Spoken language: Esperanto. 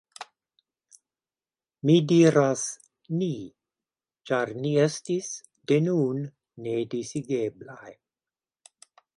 Mi diras «ni», ĉar ni estis, de nun, nedisigeblaj.